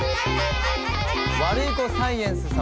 ワルイコサイエンス様。